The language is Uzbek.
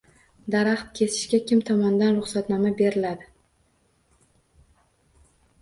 Daraxt kesishga kim tomonidan ruxsatnoma beriladi?